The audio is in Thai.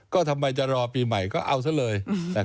ก็ทำไมจะรอปีใหม่ก็เอาซะเลย